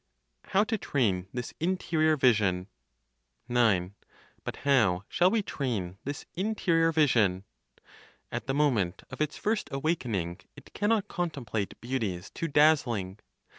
HOW TO TRAIN THIS INTERIOR VISION. 9. But how shall we train this interior vision? At the moment of its (first) awakening, it cannot contemplate beauties too dazzling.